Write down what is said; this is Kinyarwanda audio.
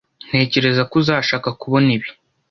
Ntekereza ko uzashaka kubona ibi.